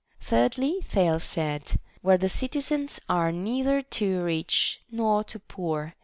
Thirdly, Thales said, Where the citizens are neither too rich nor too poor.